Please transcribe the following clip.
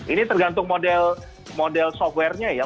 ini tergantung model softwarenya ya